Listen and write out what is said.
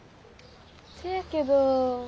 せやけど。